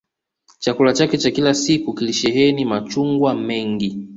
Chakula chake cha kila siku kilisheheni machungwa mengi